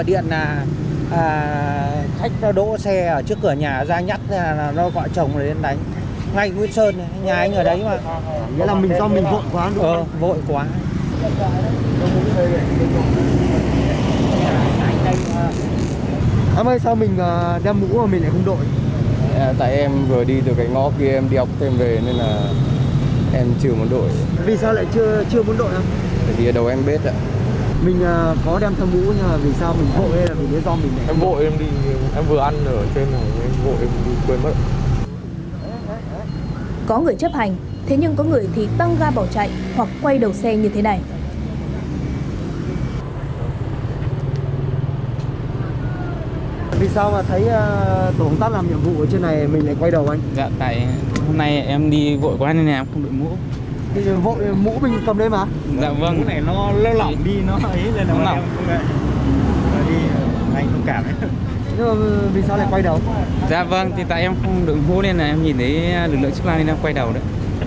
dạ vâng thì tại em không đội mũ nên là em nhìn thấy lực lượng chức lao nên em quay đầu đấy